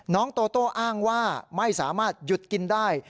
โตโต้อ้างว่าไม่สามารถหยุดกินได้